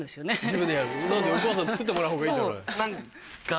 お母さんに作ってもらう方がいいじゃない。